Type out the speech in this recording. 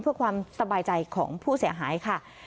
เพื่อความสบายใจของผู้เสียหายค่ะ